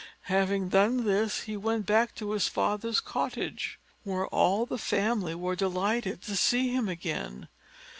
Having done this, he went back to his father's cottage, where all the family were delighted to see him again.